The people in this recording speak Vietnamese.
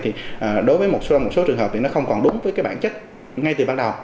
thì đối với một số trường hợp thì nó không còn đúng với cái bản chất ngay từ bắt đầu